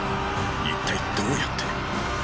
一体どうやって。